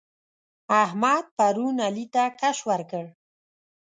احمد پرون علي ته کش ورکړ.